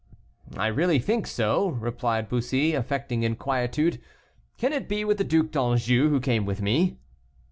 "I really think so," replied Bussy, affecting inquietude; "can it be with the Duc d'Anjou, who came with me?"